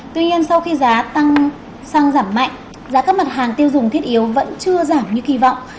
tuy nhiên sau khi giá tăng xăng giảm mạnh giá các mặt hàng tiêu dùng thiết yếu vẫn chưa giảm như kỳ vọng